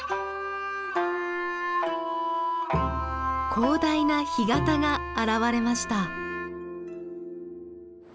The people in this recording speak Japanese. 広大な干潟が現れました。